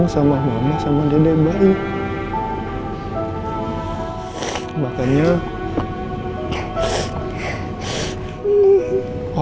sampai jumpa di video selanjutnya